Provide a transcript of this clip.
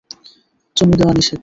চুমু দেয়া নিষেধ।